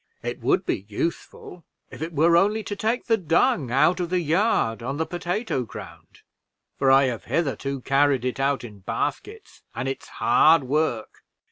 It would be useful if it were only to take the dung out of the yard on the potato ground, for I have hitherto carried it out in baskets, and it's hard work."